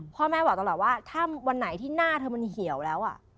พ่อแม่บอกตลอดว่าถ้าวันไหนที่หน้าเธอมันเหี่ยวแล้ว